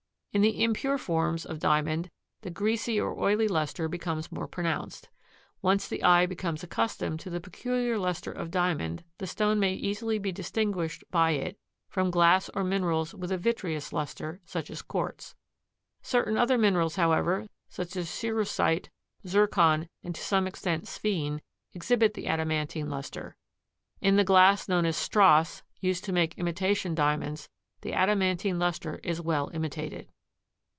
In the impure forms of Diamond the greasy or oily luster becomes more pronounced. Once the eye becomes accustomed to the peculiar luster of Diamond the stone may easily be distinguished by it from glass or minerals with a vitreous luster, such as quartz. Certain other minerals, however, such as cerussite, zircon, and to some extent sphene, exhibit the adamantine luster. In the glass known as strass, used to make imitation Diamonds, the adamantine luster is well imitated.